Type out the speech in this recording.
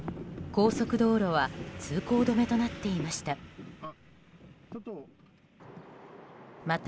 高速道路は通行止めとなっていました。